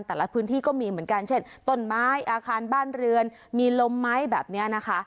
แต่ละพื้นที่ก็มีเหมือนกันเช่นต้นไม้อาคารบ้านเรือนมีลมไหมแบบนี้นะคะ